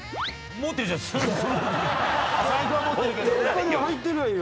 財布は持ってるけどね。